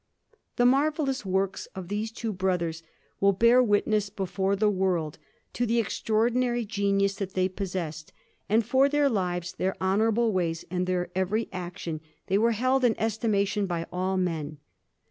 The marvellous works of these two brothers will bear witness before the world to the extraordinary genius that they possessed; and for their lives, their honourable ways, and their every action, they were held in estimation by all men.